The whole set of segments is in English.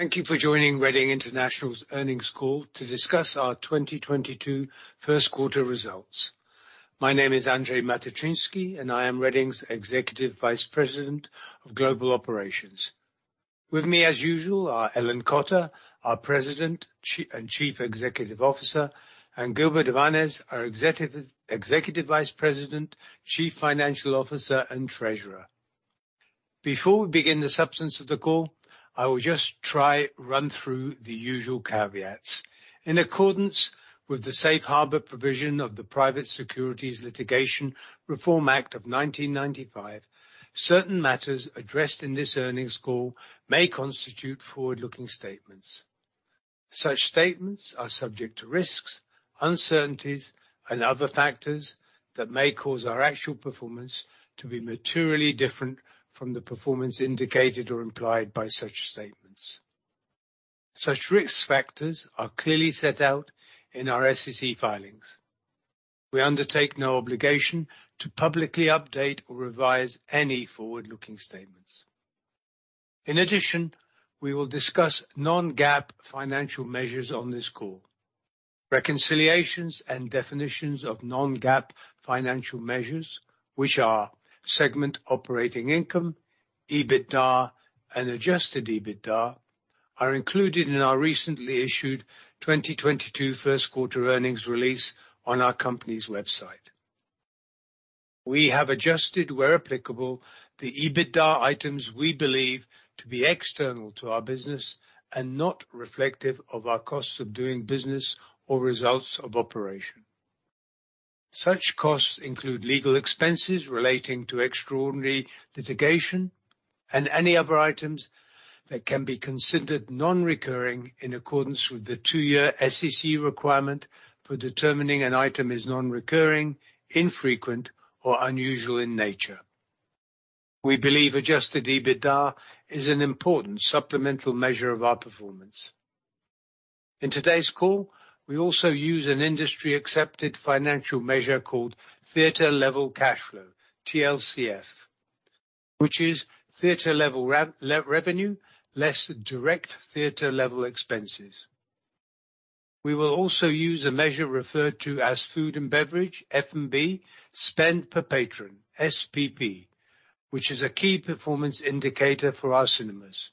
Thank you for joining Reading International's earnings call to discuss our 2022 first quarter results. My name is Andrzej Matyczynski, and I am Reading's Executive Vice President of Global Operations. With me, as usual, are Ellen Cotter, our President and Chief Executive Officer, and Gilbert Avanes, our Executive Vice President, Chief Financial Officer, and Treasurer. Before we begin the substance of the call, I will just try run through the usual caveats. In accordance with the safe harbor provision of the Private Securities Litigation Reform Act of 1995, certain matters addressed in this earnings call may constitute forward-looking statements. Such statements are subject to risks, uncertainties, and other factors that may cause our actual performance to be materially different from the performance indicated or implied by such statements. Such risk factors are clearly set out in our SEC filings. We undertake no obligation to publicly update or revise any forward-looking statements. In addition, we will discuss non-GAAP financial measures on this call. Reconciliations and definitions of non-GAAP financial measures, which are segment operating income, EBITDA, and Adjusted EBITDA, are included in our recently issued 2022 first quarter earnings release on our company's website. We have adjusted, where applicable, the EBITDA items we believe to be external to our business and not reflective of our costs of doing business or results of operation. Such costs include legal expenses relating to extraordinary litigation and any other items that can be considered non-recurring in accordance with the two-year SEC requirement for determining an item is non-recurring, infrequent, or unusual in nature. We believe Adjusted EBITDA is an important supplemental measure of our performance. In today's call, we also use an industry-accepted financial measure called theater level cash flow, TLCF, which is theater level revenue, less direct theater-level expenses. We will also use a measure referred to as food and beverage, F&B, spend per patron, SPP, which is a key performance indicator for our cinemas.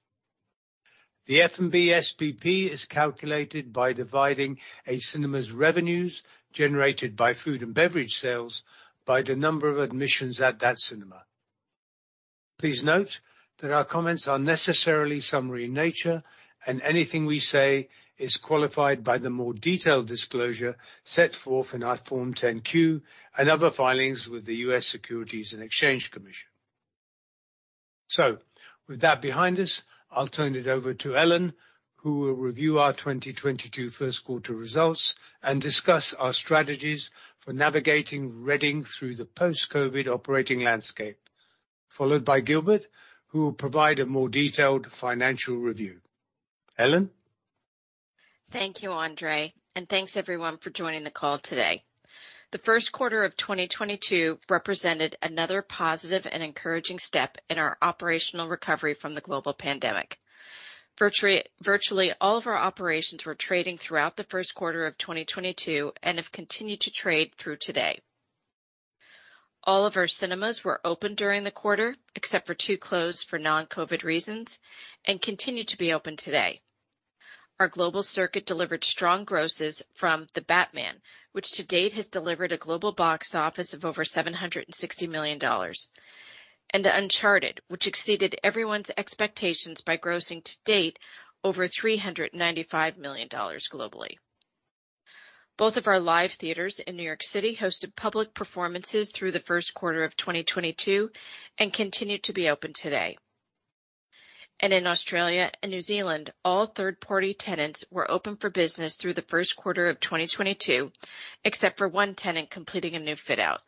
The F&B SPP is calculated by dividing a cinema's revenues generated by food and beverage sales by the number of admissions at that cinema. Please note that our comments are necessarily summary in nature, and anything we say is qualified by the more detailed disclosure set forth in our Form 10-Q and other filings with the U.S. Securities and Exchange Commission. With that behind us, I'll turn it over to Ellen, who will review our 2022 first quarter results and discuss our strategies for navigating Reading through the post-COVID operating landscape, followed by Gilbert, who will provide a more detailed financial review. Ellen. Thank you, Andrzej. Thanks, everyone, for joining the call today. The first quarter of 2022 represented another positive and encouraging step in our operational recovery from the global pandemic. Virtually all of our operations were trading throughout the first quarter of 2022 and have continued to trade through today. All of our cinemas were open during the quarter, except for two closed for non-COVID reasons, and continue to be open today. Our global circuit delivered strong grosses from The Batman, which to date has delivered a global box office of over $760 million, and Uncharted, which exceeded everyone's expectations by grossing to date over $395 million globally. Both of our live theaters in New York City hosted public performances through the first quarter of 2022 and continue to be open today. In Australia and New Zealand, all third-party tenants were open for business through the first quarter of 2022, except for one tenant completing a new fit-out.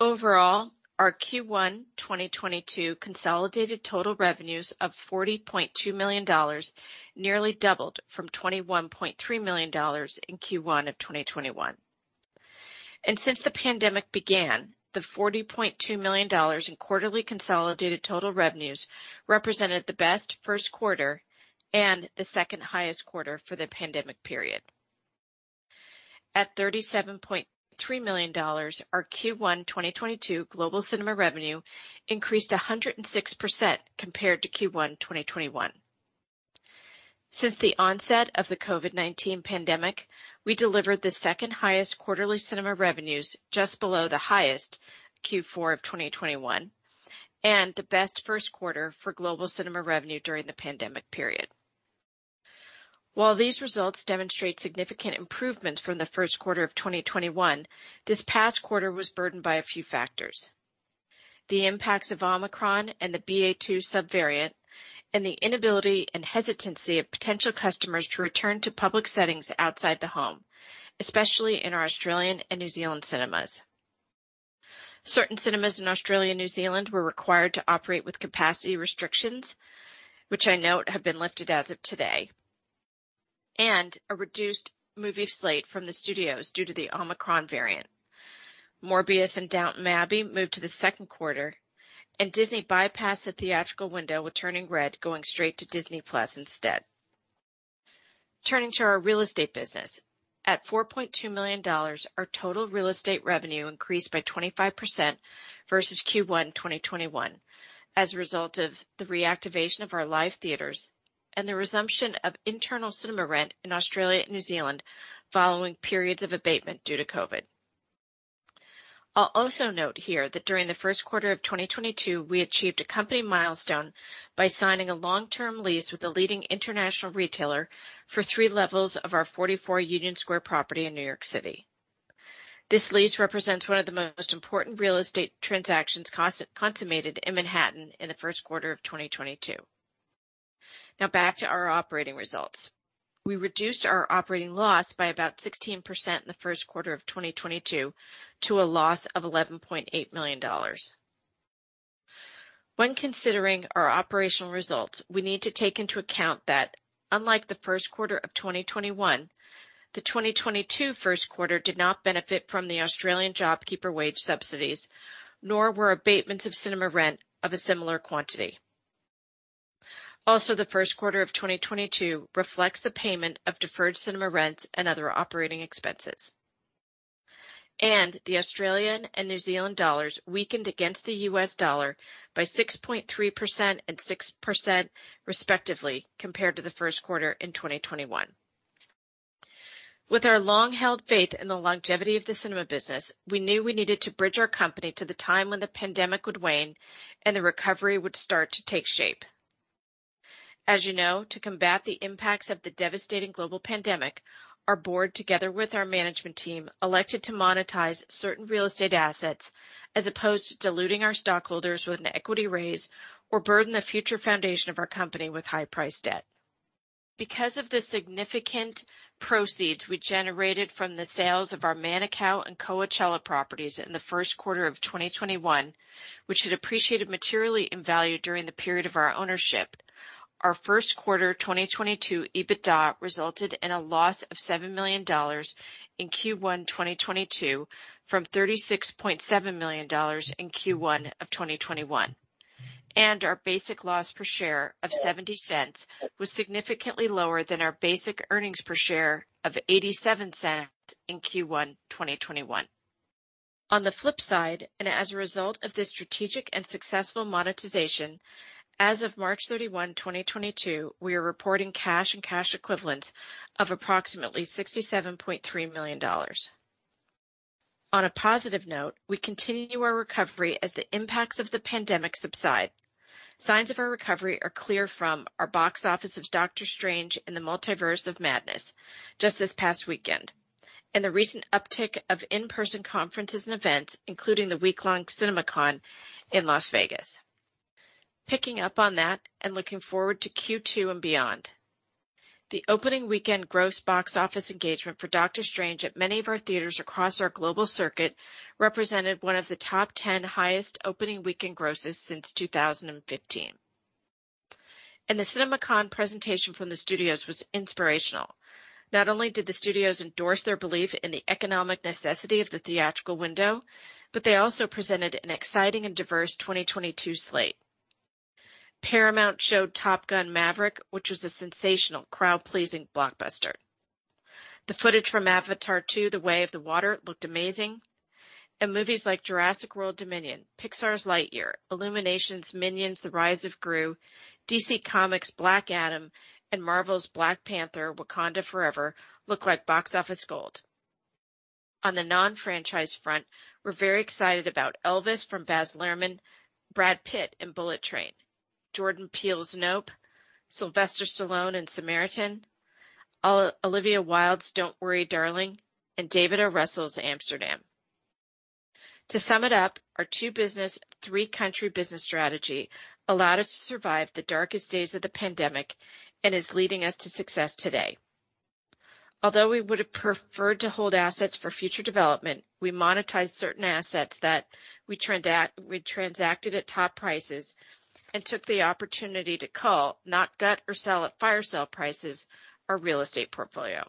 Overall, our Q1 2022 consolidated total revenues of $40.2 million nearly doubled from $21.3 million in Q1 of 2021. Since the pandemic began, the $40.2 million in quarterly consolidated total revenues represented the best first quarter and the second highest quarter for the pandemic period. At $37.3 million, our Q1 2022 global cinema revenue increased 106% compared to Q1 2021. Since the onset of the COVID-19 pandemic, we delivered the second highest quarterly cinema revenues just below the highest Q4 of 2021, and the best first quarter for global cinema revenue during the pandemic period. While these results demonstrate significant improvements from the first quarter of 2021, this past quarter was burdened by a few factors. The impacts of Omicron and the BA.2 subvariant and the inability and hesitancy of potential customers to return to public settings outside the home, especially in our Australian and New Zealand cinemas. Certain cinemas in Australia and New Zealand were required to operate with capacity restrictions, which I note have been lifted as of today. A reduced movie slate from the studios due to the Omicron variant. Morbius and Downton Abbey moved to the second quarter, and Disney bypassed the theatrical window with Turning Red going straight to Disney+ instead. Turning to our real estate business. At $4.2 million, our total real estate revenue increased by 25% versus Q1 2021 as a result of the reactivation of our live theaters and the resumption of internal cinema rent in Australia and New Zealand following periods of abatement due to COVID-19. I'll also note here that during the first quarter of 2022, we achieved a company milestone by signing a long-term lease with a leading international retailer for three levels of our 44 Union Square property in New York City. This lease represents one of the most important real estate transactions consummated in Manhattan in the first quarter of 2022. Now back to our operating results. We reduced our operating loss by about 16% in the first quarter of 2022 to a loss of $11.8 million. When considering our operational results, we need to take into account that unlike the first quarter of 2021, the 2022 first quarter did not benefit from the Australian JobKeeper wage subsidies, nor were abatements of cinema rent of a similar quantity. Also, the first quarter of 2022 reflects the payment of deferred cinema rents and other operating expenses. The Australian and New Zealand dollars weakened against the U.S. dollar by 6.3% and 6%, respectively, compared to the first quarter in 2021. With our long-held faith in the longevity of the cinema business, we knew we needed to bridge our company to the time when the pandemic would wane and the recovery would start to take shape. As you know, to combat the impacts of the devastating global pandemic, our board, together with our management team, elected to monetize certain real estate assets as opposed to diluting our stockholders with an equity raise or burden the future foundation of our company with high-priced debt, because of the significant proceeds we generated from the sales of our Murrieta and Coachella properties in the first quarter of 2021, which had appreciated materially in value during the period of our ownership. Our first quarter 2022 EBITDA resulted in a loss of $7 million in Q1 2022 from $36.7 million in Q1 of 2021, and our basic loss per share of $0.70 was significantly lower than our basic earnings per share of $0.87 in Q1 2021. On the flip side, and as a result of this strategic and successful monetization, as of March 31, 2022, we are reporting cash and cash equivalents of approximately $67.3 million. On a positive note, we continue our recovery as the impacts of the pandemic subside. Signs of our recovery are clear from our box office of Doctor Strange in the Multiverse of Madness just this past weekend, and the recent uptick of in-person conferences and events, including the week-long CinemaCon in Las Vegas. Picking up on that and looking forward to Q2 and beyond. The opening weekend gross box office engagement for Doctor Strange at many of our theaters across our global circuit represented one of the top 10 highest opening weekend grosses since 2015. The CinemaCon presentation from the studios was inspirational. Not only did the studios endorse their belief in the economic necessity of the theatrical window, but they also presented an exciting and diverse 2022 slate. Paramount showed Top Gun: Maverick, which was a sensational crowd-pleasing blockbuster. The footage from Avatar 2: The Way of Water looked amazing, and movies like Jurassic World Dominion, Pixar's Lightyear, Illumination's Minions: The Rise of Gru, DC Comics' Black Adam, and Marvel's Black Panther: Wakanda Forever look like box office gold. On the non-franchise front, we're very excited about Elvis from Baz Luhrmann, Brad Pitt in Bullet Train, Jordan Peele's Nope, Sylvester Stallone in Samaritan, Olivia Wilde's Don't Worry Darling, and David O. Russell's Amsterdam. To sum it up, our two business, three country business strategy allowed us to survive the darkest days of the pandemic and is leading us to success today. Although we would have preferred to hold assets for future development, we monetized certain assets that we transacted at top prices and took the opportunity to cull, not gut or sell at fire sale prices, our real estate portfolio.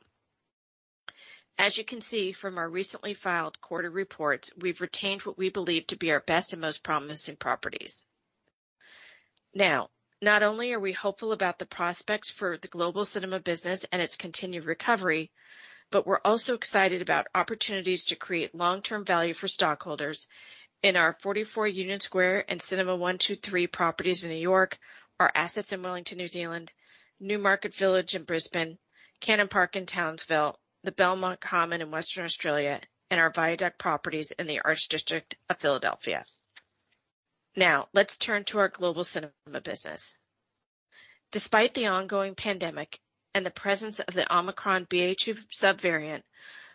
As you can see from our recently filed quarterly reports, we've retained what we believe to be our best and most promising properties. Now, not only are we hopeful about the prospects for the global cinema business and its continued recovery, but we're also excited about opportunities to create long-term value for stockholders in our 44 Union Square and Cinema 123 properties in New York, our assets in Wellington, New Zealand, Newmarket Village in Brisbane, Cannon Park in Townsville, the Belmont Common in Western Australia, and our Reading Viaduct properties in Callowhill, Philadelphia. Now let's turn to our global cinema business. Despite the ongoing pandemic and the presence of the Omicron BA.2 subvariant,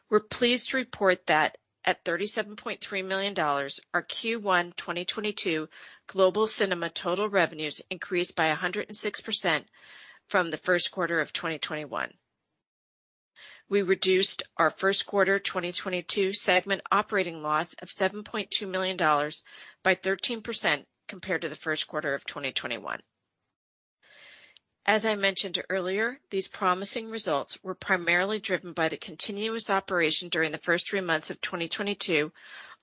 we're pleased to report that at $37.3 million, our Q1 2022 global cinema total revenues increased by 106% from the first quarter of 2021. We reduced our first quarter 2022 segment operating loss of $7.2 million by 13% compared to the first quarter of 2021. As I mentioned earlier, these promising results were primarily driven by the continuous operation during the first three months of 2022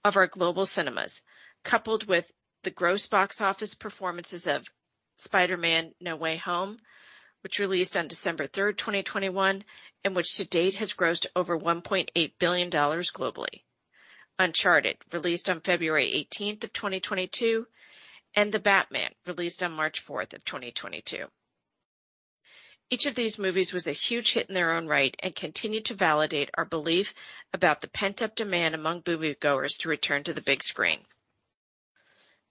of our global cinemas, coupled with the gross box office performances of Spider-Man: No Way Home, which released on December 3, 2021, and which to date has grossed over $1.8 billion globally. Uncharted, released on February 18, 2022, and The Batman, released on March 4, 2022. Each of these movies was a huge hit in their own right and continued to validate our belief about the pent-up demand among moviegoers to return to the big screen.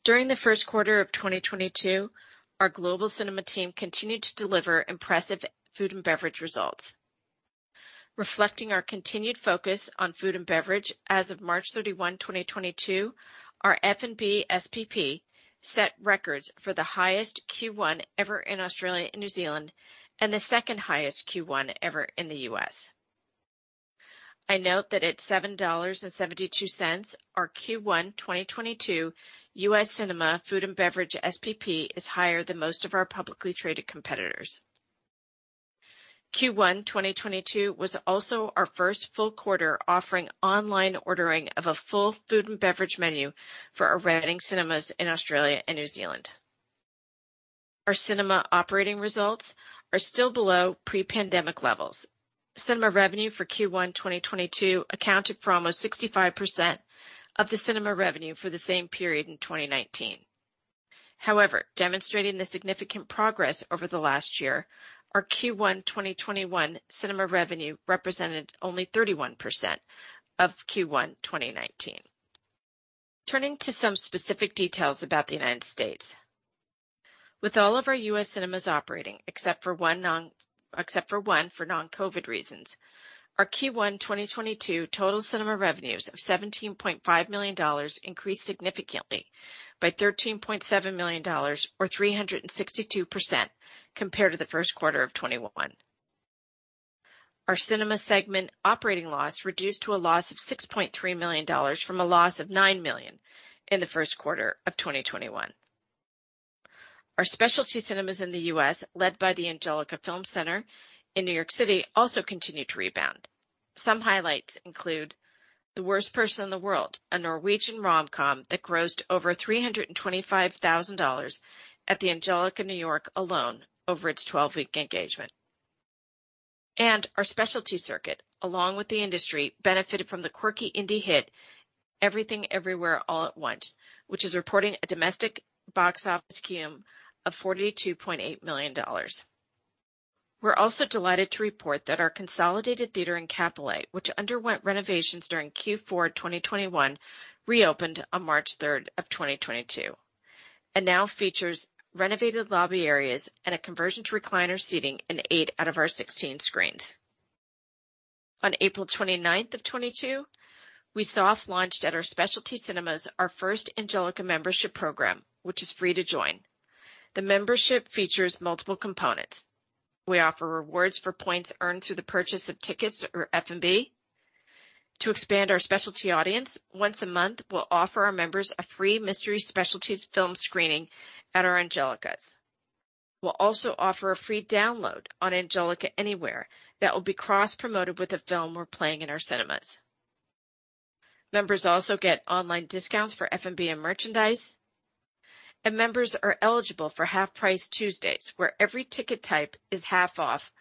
During the first quarter of 2022, our global cinema team continued to deliver impressive food and beverage results. Reflecting our continued focus on food and beverage as of March 31, 2022, our F&B SPP set records for the highest Q1 ever in Australia and New Zealand and the second highest Q1 ever in the U.S. I note that at $7.72, our Q1 2022 U.S. Cinema food and beverage SPP is higher than most of our publicly traded competitors. Q1 2022 was also our first full quarter offering online ordering of a full food and beverage menu for our Reading Cinemas in Australia and New Zealand. Our cinema operating results are still below pre-pandemic levels. Cinema revenue for Q1 2022 accounted for almost 65% of the cinema revenue for the same period in 2019. However, demonstrating the significant progress over the last year, our Q1 2021 cinema revenue represented only 31% of Q1 2019. Turning to some specific details about the United States. With all of our U.S. cinemas operating except for one for non-COVID reasons, our Q1 2022 total cinema revenues of $17.5 million increased significantly by $13.7 million or 362% compared to the first quarter of 2021. Our cinema segment operating loss reduced to a loss of $6.3 million from a loss of $9 million in the first quarter of 2021. Our specialty cinemas in the U.S., led by the Angelika Film Center in New York City, also continued to rebound. Some highlights include The Worst Person in the World, a Norwegian rom-com that grossed over $325,000 at the Angelika New York alone over its 12-week engagement. Our specialty circuit, along with the industry, benefited from the quirky indie hit Everything Everywhere All at Once, which is reporting a domestic box office cume of $42.8 million. We're also delighted to report that our consolidated theater in Capitola, which underwent renovations during Q4 2021, reopened on March 3, 2022, and now features renovated lobby areas and a conversion to recliner seating in eight out of our 16 screens. On April 29th of 2022, we soft launched at our specialty cinemas our first Angelika Membership program, which is free to join. The membership features multiple components. We offer rewards for points earned through the purchase of tickets or F&B. To expand our specialty audience, once a month, we'll offer our members a free mystery specialty film screening at our Angelikas. We'll also offer a free download on Angelika Anywhere that will be cross-promoted with a film we're playing in our cinemas. Members also get online discounts for F&B and merchandise, and members are eligible for half-price Tuesdays, where every ticket type is half off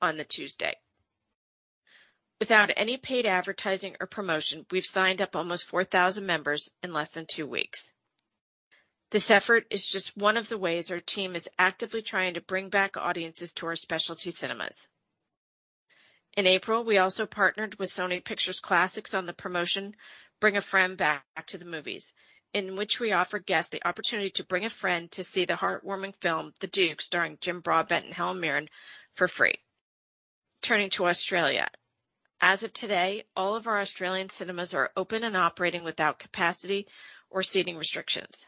on the Tuesday. Without any paid advertising or promotion, we've signed up almost 4,000 members in less than two weeks. This effort is just one of the ways our team is actively trying to bring back audiences to our specialty cinemas. In April, we also partnered with Sony Pictures Classics on the promotion Bring a Friend Back to the Movies, in which we offered guests the opportunity to bring a friend to see the heartwarming film The Duke, starring Jim Broadbent and Helen Mirren, for free. Turning to Australia. As of today, all of our Australian cinemas are open and operating without capacity or seating restrictions.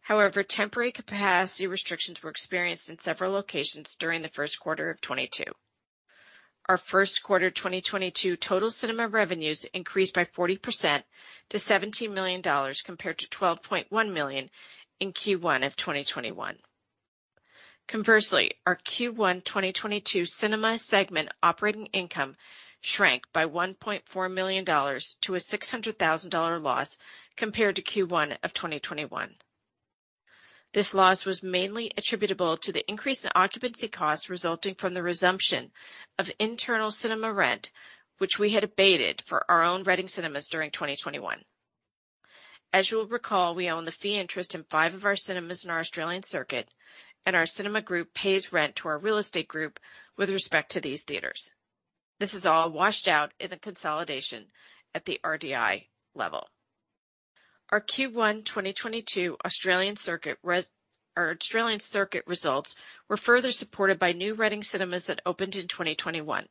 However, temporary capacity restrictions were experienced in several locations during the first quarter of 2022. Our first quarter 2022 total cinema revenues increased by 40% to $17 million compared to $12.1 million in Q1 of 2021. Conversely, our Q1 2022 cinema segment operating income shrank by $1.4 million to a $600,000 loss compared to Q1 of 2021. This loss was mainly attributable to the increase in occupancy costs resulting from the resumption of internal cinema rent, which we had abated for our own Reading Cinemas during 2021. As you'll recall, we own the fee interest in five of our cinemas in our Australian circuit, and our cinema group pays rent to our real estate group with respect to these theaters. This is all washed out in the consolidation at the RDI level. Our Q1 2022 Australian circuit results were further supported by new Reading Cinemas that opened in 2021.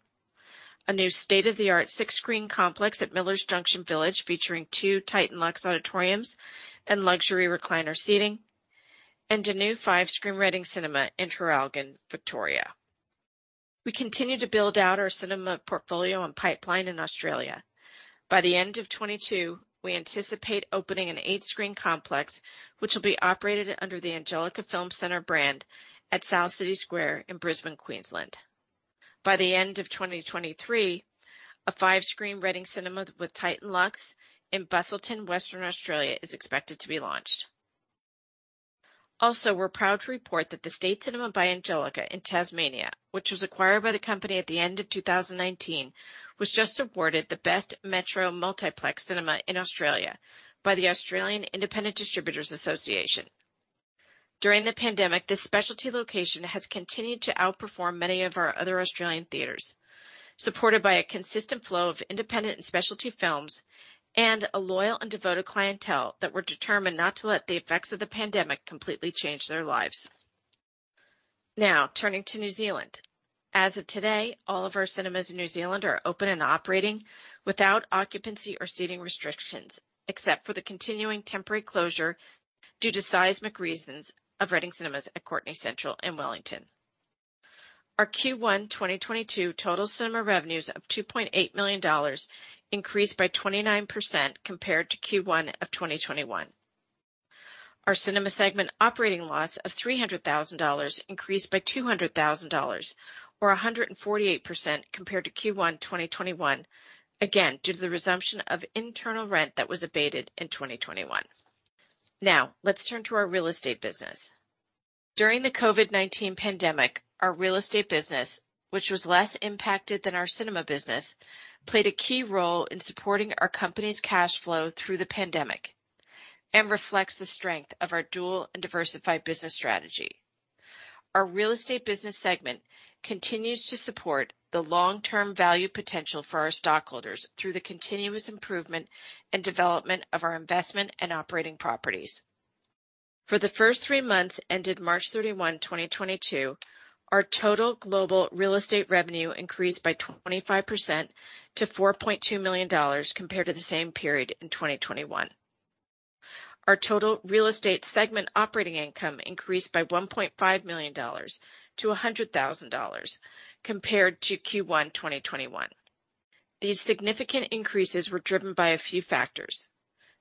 A new state-of-the-art six-screen complex at Millers Junction Village featuring two TITAN LUXE auditoriums and luxury recliner seating. A new five-screen Reading Cinema in Traralgon, Victoria. We continue to build out our cinema portfolio and pipeline in Australia. By the end of 2022, we anticipate opening an eight-screen complex which will be operated under the Angelika Film Center brand at South City Square in Brisbane, Queensland. By the end of 2023, a five-screen Reading Cinemas with TITAN LUXE in Busselton, Western Australia is expected to be launched. Also, we're proud to report that the State Cinema by Angelika in Tasmania, which was acquired by the company at the end of 2019, was just awarded the Best Metro Multiplex Cinema in Australia by the Australian Independent Distributors Association. During the pandemic, this specialty location has continued to outperform many of our other Australian theaters, supported by a consistent flow of independent and specialty films and a loyal and devoted clientele that were determined not to let the effects of the pandemic completely change their lives. Now turning to New Zealand. As of today, all of our cinemas in New Zealand are open and operating without occupancy or seating restrictions, except for the continuing temporary closure due to seismic reasons of Reading Cinemas at Courtenay Central in Wellington. Our Q1 2022 total cinema revenues of $2.8 million increased by 29% compared to Q1 of 2021. Our cinema segment operating loss of $300,000 increased by $200,000 or 148% compared to Q1 2021. Again, due to the resumption of internal rent that was abated in 2021. Now let's turn to our real estate business. During the COVID-19 pandemic, our real estate business, which was less impacted than our cinema business, played a key role in supporting our company's cash flow through the pandemic and reflects the strength of our dual and diversified business strategy. Our real estate business segment continues to support the long-term value potential for our stockholders through the continuous improvement and development of our investment and operating properties. For the first three months ended March 31, 2022, our total global real estate revenue increased by 25% to $4.2 million compared to the same period in 2021. Our total real estate segment operating income increased by $1.5 million to $100,000 compared to Q1 2021. These significant increases were driven by a few factors.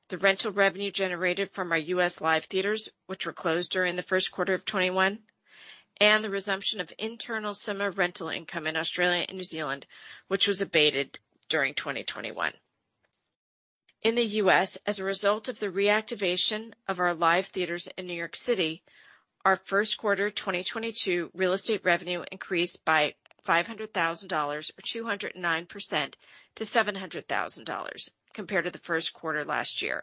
The rental revenue generated from our U.S. live theaters, which were closed during the first quarter of 2021, and the resumption of internal cinema rental income in Australia and New Zealand, which was abated during 2021. In the U.S., as a result of the reactivation of our live theaters in New York City, our first quarter 2022 real estate revenue increased by $500,000 or 209% to $700,000 compared to the first quarter last year.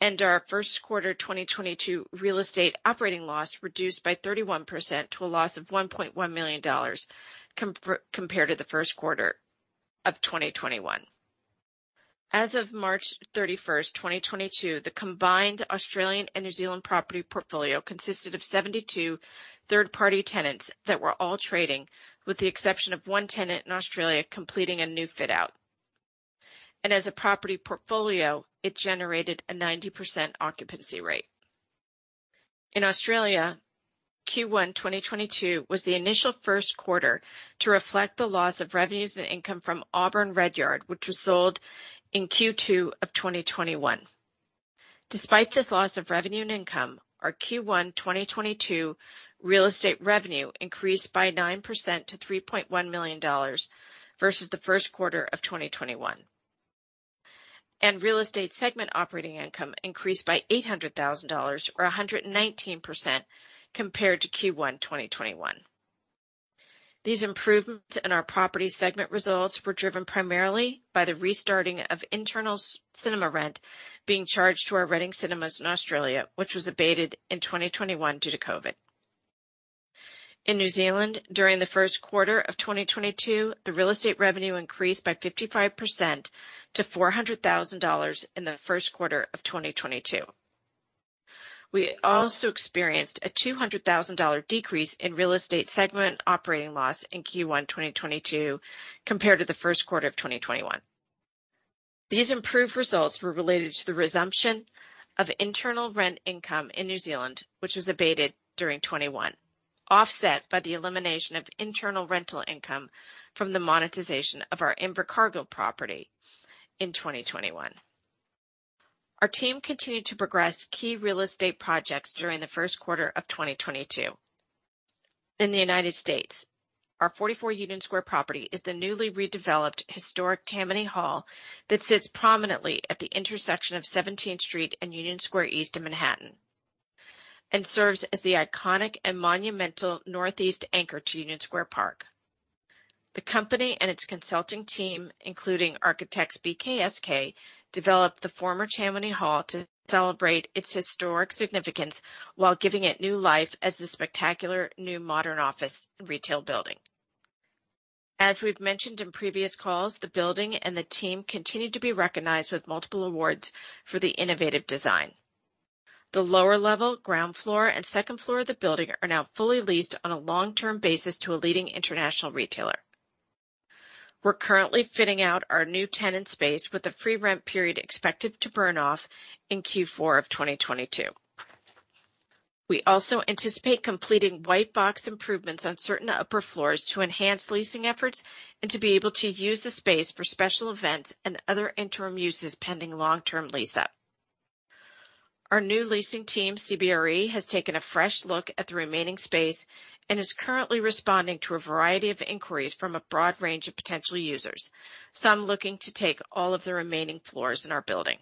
Our first quarter 2022 real estate operating loss reduced by 31% to a loss of $1.1 million compared to the first quarter of 2021. As of March 31, 2022, the combined Australian and New Zealand property portfolio consisted of 72 third-party tenants that were all trading, with the exception of one tenant in Australia completing a new fit-out. As a property portfolio, it generated a 90% occupancy rate. In Australia, Q1 2022 was the initial first quarter to reflect the loss of revenues and income from Auburn Redyard, which was sold in Q2 of 2021. Despite this loss of revenue and income, our Q1 2022 real estate revenue increased by 9% to $3.1 million versus the first quarter of 2021. Real estate segment operating income increased by $800,000 or 119% compared to Q1 2021. These improvements in our property segment results were driven primarily by the restarting of internal cinema rent being charged to our Reading Cinemas in Australia, which was abated in 2021 due to COVID. In New Zealand, during the first quarter of 2022, the real estate revenue increased by 55% to $400,000 in the first quarter of 2022. We also experienced a $200,000 decrease in real estate segment operating loss in Q1 2022 compared to the first quarter of 2021. These improved results were related to the resumption of internal rent income in New Zealand, which was abated during 2021, offset by the elimination of internal rental income from the monetization of our Invercargill property in 2021. Our team continued to progress key real estate projects during the first quarter of 2022. In the United States, our 44 Union Square property is the newly redeveloped historic Tammany Hall that sits prominently at the intersection of Seventeenth Street and Union Square East in Manhattan and serves as the iconic and monumental northeast anchor to Union Square Park. The company and its consulting team, including architects BKSK, developed the former Tammany Hall to celebrate its historic significance while giving it new life as a spectacular new modern office and retail building. As we've mentioned in previous calls, the building and the team continued to be recognized with multiple awards for the innovative design. The lower level, ground floor, and second floor of the building are now fully leased on a long-term basis to a leading international retailer. We're currently fitting out our new tenant space with a free rent period expected to burn off in Q4 of 2022. We also anticipate completing white box improvements on certain upper floors to enhance leasing efforts and to be able to use the space for special events and other interim uses pending long-term lease-up. Our new leasing team, CBRE, has taken a fresh look at the remaining space and is currently responding to a variety of inquiries from a broad range of potential users, some looking to take all of the remaining floors in our building.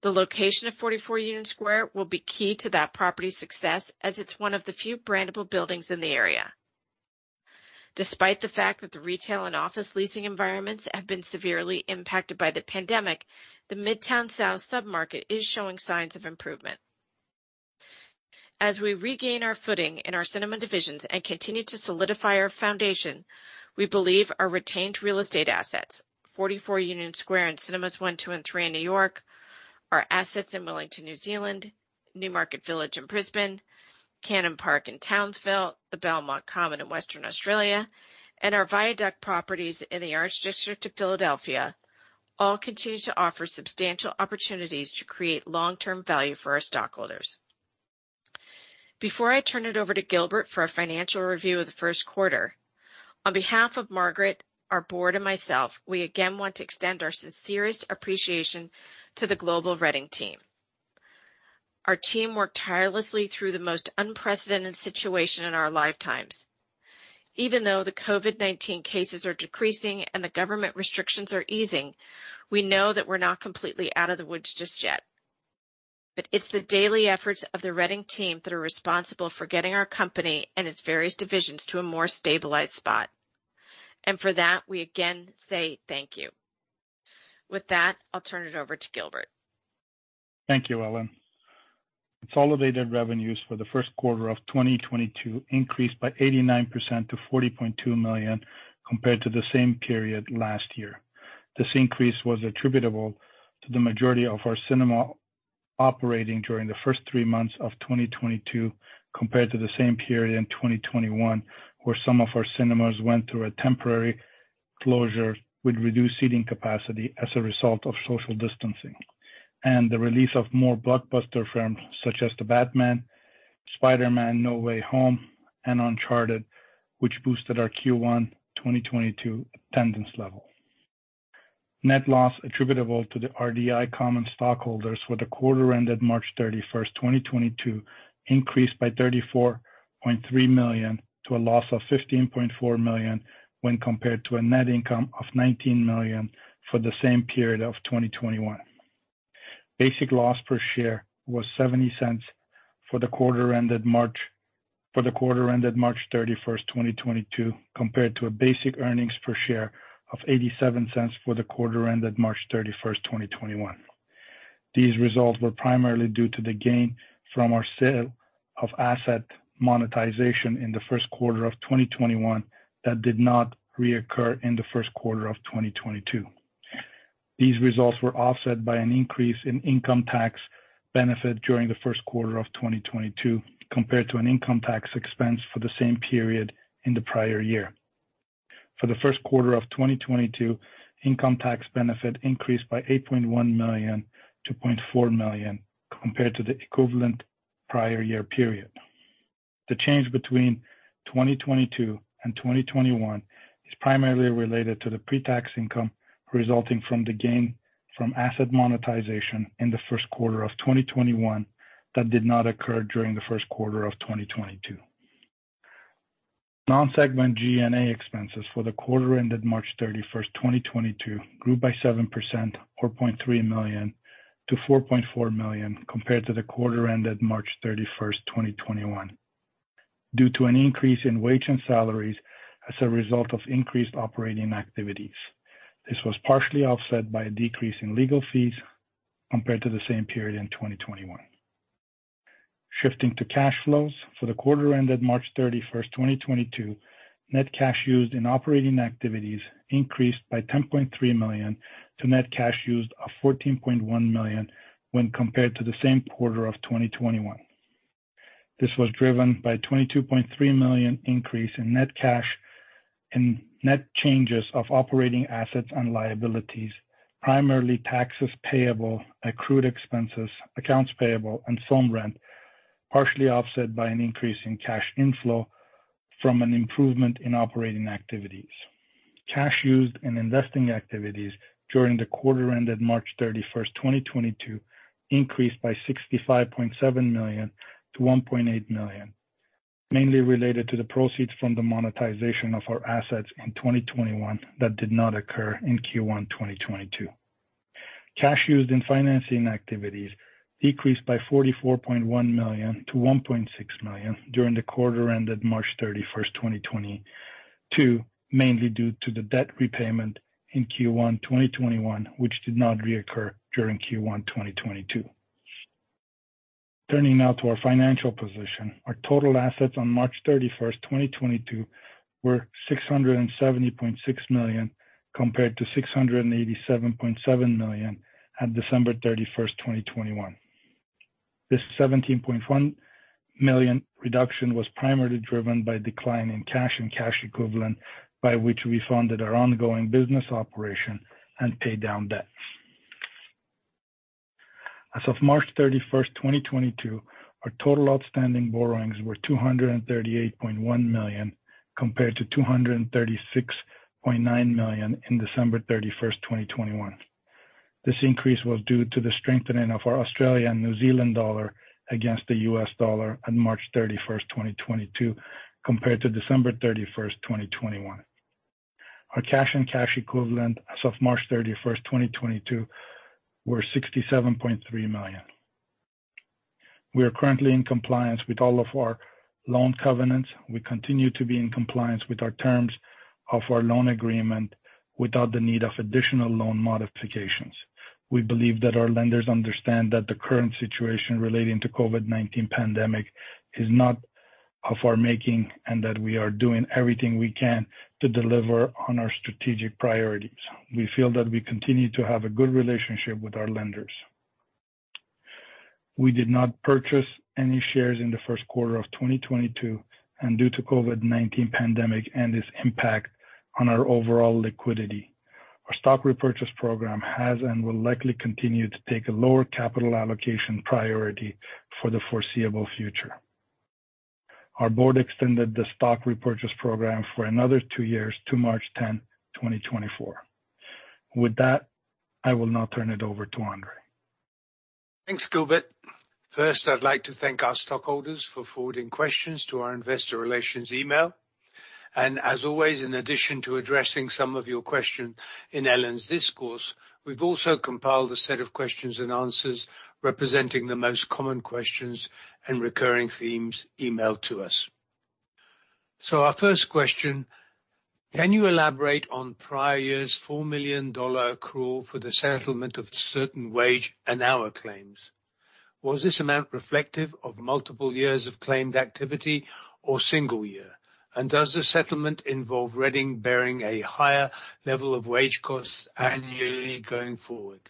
The location of 44 Union Square will be key to that property's success as it's one of the few brandable buildings in the area. Despite the fact that the retail and office leasing environments have been severely impacted by the pandemic, the Midtown South sub-market is showing signs of improvement. As we regain our footing in our cinema divisions and continue to solidify our foundation, we believe our retained real estate assets, 44 Union Square and Cinemas 1, 2, and 3 in New York, our assets in Wellington, New Zealand, Newmarket Village in Brisbane, Cannon Park in Townsville, the Belmont Common in Western Australia, and our Viaduct properties in the Arts District of Philadelphia all continue to offer substantial opportunities to create long-term value for our stockholders. Before I turn it over to Gilbert for a financial review of the first quarter, on behalf of Margaret, our board, and myself, we again want to extend our sincerest appreciation to the global Reading team. Our team worked tirelessly through the most unprecedented situation in our lifetimes. Even though the COVID-19 cases are decreasing and the government restrictions are easing, we know that we're not completely out of the woods just yet. It's the daily efforts of the Reading team that are responsible for getting our company and its various divisions to a more stabilized spot. For that, we again say thank you. With that, I'll turn it over to Gilbert. Thank you, Ellen. Consolidated revenues for the first quarter of 2022 increased by 89% to $40.2 million compared to the same period last year. This increase was attributable to the majority of our cinema operating during the first three months of 2022 compared to the same period in 2021, where some of our cinemas went through a temporary closure with reduced seating capacity as a result of social distancing. The release of more blockbuster films such as The Batman, Spider-Man: No Way Home, and Uncharted, which boosted our Q1 2022 attendance level. Net loss attributable to the RDI common stockholders for the quarter ended March 31, 2022, increased by $34.3 million to a loss of $15.4 million when compared to a net income of $19 million for the same period of 2021. Basic loss per share was $0.70 for the quarter ended March 31, 2022, compared to a basic earnings per share of $0.87 for the quarter ended March 31, 2021. These results were primarily due to the gain from our sale of asset monetization in the first quarter of 2021 that did not reoccur in the first quarter of 2022. These results were offset by an increase in income tax benefit during the first quarter of 2022 compared to an income tax expense for the same period in the prior year. For the first quarter of 2022, income tax benefit increased by $8.1 million to $0.4 million compared to the equivalent prior year period. The change between 2022 and 2021 is primarily related to the pre-tax income resulting from the gain from asset monetization in the first quarter of 2021 that did not occur during the first quarter of 2022. Non-segment G&A expenses for the quarter ended March 31, 2022, grew by 7%, or $0.3 million to $4.4 million compared to the quarter ended March 31, 2021 due to an increase in wage and salaries as a result of increased operating activities. This was partially offset by a decrease in legal fees compared to the same period in 2021. Shifting to cash flows for the quarter ended March 31, 2022, net cash used in operating activities increased by $10.3 million to net cash used of $14.1 million when compared to the same quarter of 2021. This was driven by a $22.3 million increase in net cash and net changes of operating assets and liabilities, primarily taxes payable, accrued expenses, accounts payable, and prepaid rent, partially offset by an increase in cash inflow from an improvement in operating activities. Cash used in investing activities during the quarter ended March 31, 2022, increased by $65.7 million to $1.8 million, mainly related to the proceeds from the monetization of our assets in 2021 that did not occur in Q1 2022. Cash used in financing activities decreased by $44.1 million to $1.6 million during the quarter ended March 31, 2022, mainly due to the debt repayment in Q1 2021, which did not reoccur during Q1 2022. Turning now to our financial position. Our total assets on March 31, 2022, were $670.6 million, compared to $687.7 million on December 31, 2021. This $17.1 million reduction was primarily driven by decline in cash and cash equivalents by which we funded our ongoing business operations and paid down debt. As of March 31, 2022, our total outstanding borrowings were $238.1 million, compared to $236.9 million on December 31, 2021. This increase was due to the strengthening of our Australian and New Zealand dollar against the US dollar on March 31, 2022 compared to December 31, 2021. Our cash and cash equivalents as of March 31, 2022 were $67.3 million. We are currently in compliance with all of our loan covenants. We continue to be in compliance with our terms of our loan agreement without the need of additional loan modifications. We believe that our lenders understand that the current situation relating to COVID-19 pandemic is not of our making, and that we are doing everything we can to deliver on our strategic priorities. We feel that we continue to have a good relationship with our lenders. We did not purchase any shares in the first quarter of 2022, and due to COVID-19 pandemic and its impact on our overall liquidity, our stock repurchase program has and will likely continue to take a lower capital allocation priority for the foreseeable future. Our board extended the stock repurchase program for another two years to March 10, 2024. With that, I will now turn it over to Andrzej. Thanks, Gilbert. First, I'd like to thank our stockholders for forwarding questions to our investor relations email. As always, in addition to addressing some of your questions in Ellen's discourse, we've also compiled a set of questions and answers representing the most common questions and recurring themes emailed to us. Our first question, can you elaborate on prior year's $4 million accrual for the settlement of certain wage and hour claims? Was this amount reflective of multiple years of claimed activity or single year? And does the settlement involve Reading bearing a higher level of wage costs annually going forward?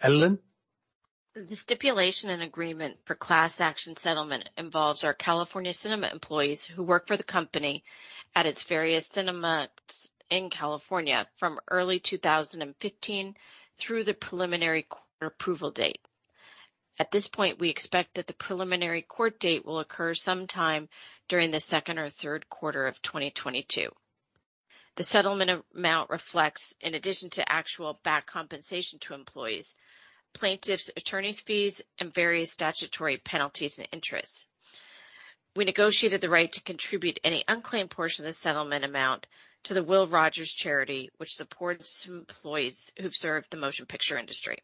Ellen. The stipulation and agreement for class action settlement involves our California cinema employees who work for the company at its various cinemas in California from early 2015 through the preliminary court approval date. At this point, we expect that the preliminary court date will occur sometime during the second or third quarter of 2022. The settlement amount reflects, in addition to actual back compensation to employees, plaintiffs' attorneys' fees, and various statutory penalties and interests. We negotiated the right to contribute any unclaimed portion of the settlement amount to the Will Rogers charity, which supports employees who've served the motion picture industry.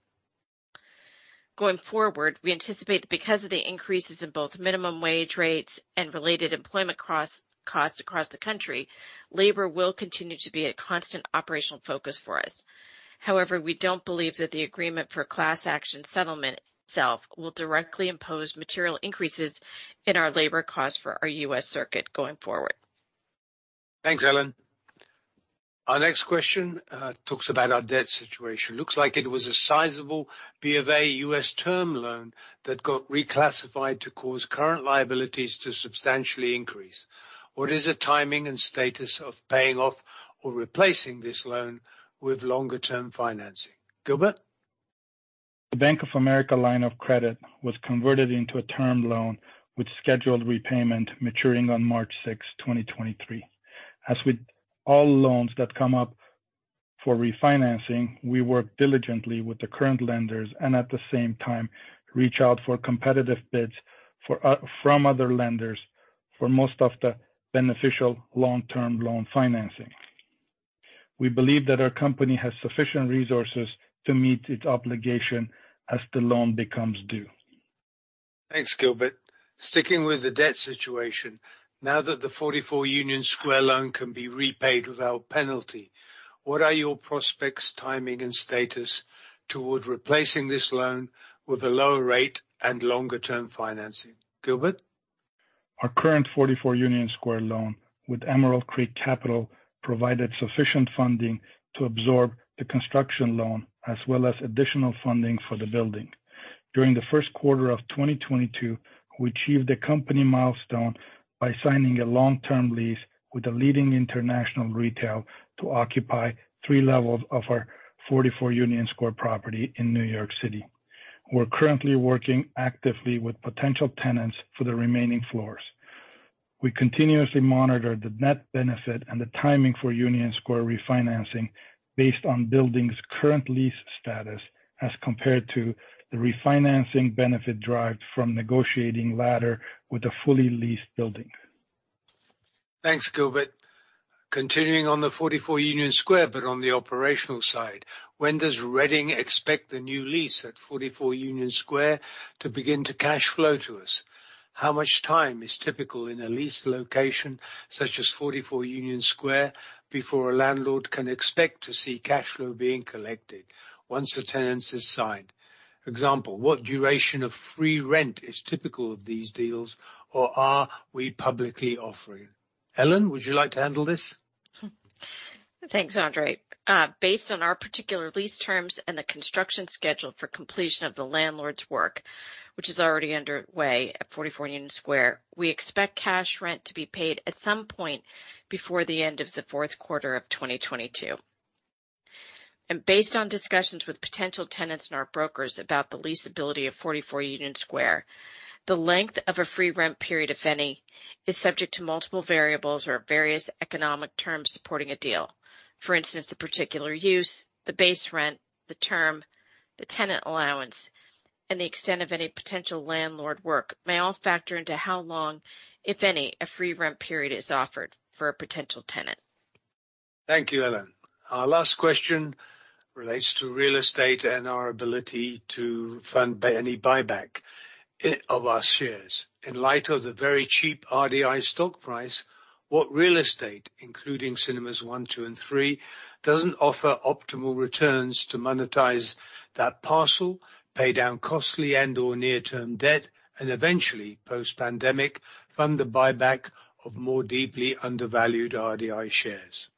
Going forward, we anticipate because of the increases in both minimum wage rates and related employment costs across the country, labor will continue to be a constant operational focus for us. However, we don't believe that the agreement for class action settlement itself will directly impose material increases in our labor costs for our U.S. circuit going forward. Thanks, Ellen. Our next question talks about our debt situation. Looks like it was a sizable Bank of America U.S. term loan that got reclassified to cause current liabilities to substantially increase. What is the timing and status of paying off or replacing this loan with longer term financing? Gilbert. The Bank of America line of credit was converted into a term loan with scheduled repayment maturing on March 6, 2023. As with all loans that come up for refinancing, we work diligently with the current lenders, and at the same time, reach out for competitive bids from other lenders for most of the beneficial long-term loan financing. We believe that our company has sufficient resources to meet its obligation as the loan becomes due. Thanks, Gilbert. Sticking with the debt situation, now that the 44 Union Square loan can be repaid without penalty, what are your prospects, timing and status toward replacing this loan with a lower rate and longer term financing? Gilbert. Our current 44 Union Square loan with Emerald Creek Capital provided sufficient funding to absorb the construction loan, as well as additional funding for the building. During the first quarter of 2022, we achieved a company milestone by signing a long-term lease with a leading international retail to occupy three levels of our 44 Union Square property in New York City. We're currently working actively with potential tenants for the remaining floors. We continuously monitor the net benefit and the timing for 44 Union Square refinancing based on building's current lease status as compared to the refinancing benefit derived from negotiating later with a fully leased building. Thanks, Gilbert. Continuing on the 44 Union Square, but on the operational side, when does Reading expect the new lease at 44 Union Square to begin to cash flow to us? How much time is typical in a leased location such as 44 Union Square before a landlord can expect to see cash flow being collected once the tenant is signed? For example, what duration of free rent is typical of these deals, or are we publicly offering? Ellen, would you like to handle this? Thanks, Andrzej. Based on our particular lease terms and the construction schedule for completion of the landlord's work, which is already underway at 44 Union Square, we expect cash rent to be paid at some point before the end of the fourth quarter of 2022. Based on discussions with potential tenants and our brokers about the leasability of 44 Union Square, the length of a free rent period, if any, is subject to multiple variables or various economic terms supporting a deal. For instance, the particular use, the base rent, the term, the tenant allowance, and the extent of any potential landlord work may all factor into how long, if any, a free rent period is offered for a potential tenant. Thank you, Ellen. Our last question relates to real estate and our ability to fund any buyback of our shares. In light of the very cheap RDI stock price, what real estate, including Cinemas 1, 2, and 3, doesn't offer optimal returns to monetize that parcel, pay down costly and/or near-term debt, and eventually, post-pandemic, fund the buyback of more deeply undervalued RDI shares?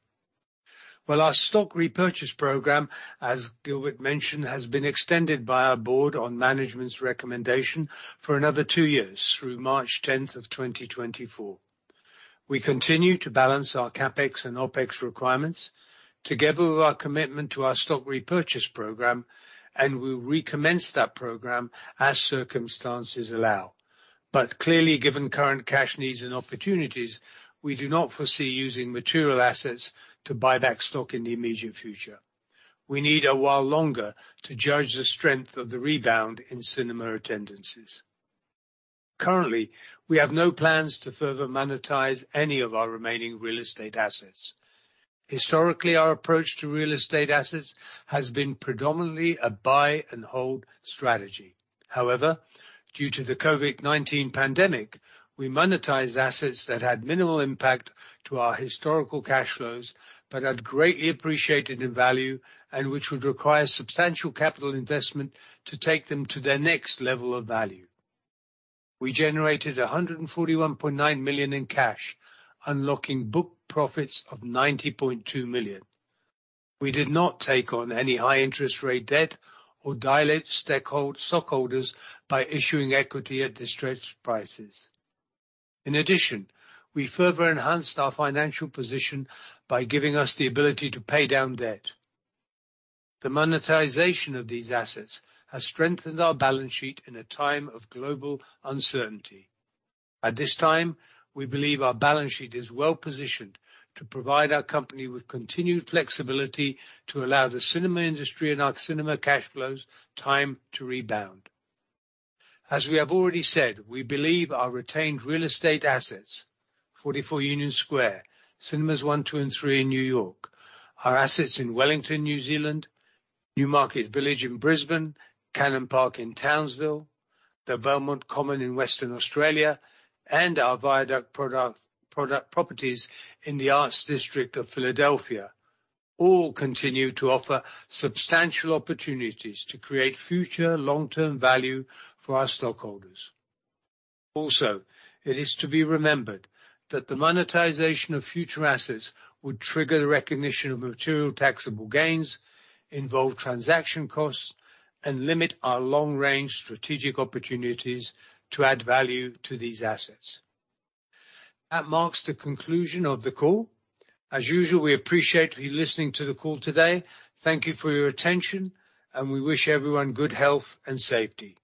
Well, our stock repurchase program, as Gilbert mentioned, has been extended by our board on management's recommendation for another two years through March 10, 2024. We continue to balance our CapEx and OpEx requirements together with our commitment to our stock repurchase program, and we'll recommence that program as circumstances allow. Clearly, given current cash needs and opportunities, we do not foresee using material assets to buy back stock in the immediate future. We need a while longer to judge the strength of the rebound in cinema attendances. Currently, we have no plans to further monetize any of our remaining real estate assets. Historically, our approach to real estate assets has been predominantly a buy and hold strategy. However, due to the COVID-19 pandemic, we monetized assets that had minimal impact to our historical cash flows, but had greatly appreciated in value and which would require substantial capital investment to take them to their next level of value. We generated $141.9 million in cash, unlocking book profits of $90.2 million. We did not take on any high interest rate debt or dilute stockholders by issuing equity at distressed prices. In addition, we further enhanced our financial position by giving us the ability to pay down debt. The monetization of these assets has strengthened our balance sheet in a time of global uncertainty. At this time, we believe our balance sheet is well-positioned to provide our company with continued flexibility to allow the cinema industry and our cinema cash flows time to rebound. As we have already said, we believe our retained real estate assets, 44 Union Square, Cinemas 1, 2, and 3 in New York, our assets in Wellington, New Zealand, Newmarket Village in Brisbane, Cannon Park in Townsville, the Belmont Common in Western Australia, and our Viaduct properties in the Arts District of Philadelphia, all continue to offer substantial opportunities to create future long-term value for our stockholders. Also, it is to be remembered that the monetization of future assets would trigger the recognition of material taxable gains, involve transaction costs, and limit our long-range strategic opportunities to add value to these assets. That marks the conclusion of the call. As usual, we appreciate you listening to the call today. Thank you for your attention, and we wish everyone good health and safety.